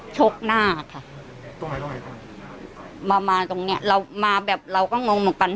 ชกหน้าค่ะมามาตรงเนี้ยเรามาแบบเราก็งงเหมือนกัน